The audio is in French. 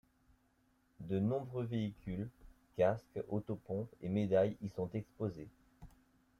De nombreux véhicules, casques, autopompes et médailles y sont exposés.